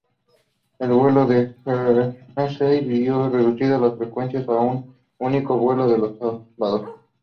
El vuelo a Guernsey vio reducidas sus frecuencias a un único vuelo los sábados.